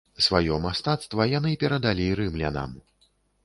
Сваё мастацтва яны перадалі рымлянам.